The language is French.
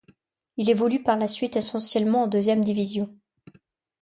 Il évolue par la suite essentiellement en deuxième division.